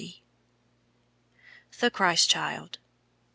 THE CHRIST CHILD.